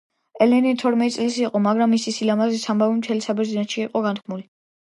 ელენე თორმეტი წლის იყო, მაგრამ მისი სილამაზის ამბავი მთელ საბერძნეთში იყო განთქმული.